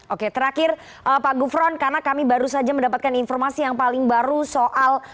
oke terakhir pak gufron karena kami baru saja mendapatkan informasi yang paling baru soal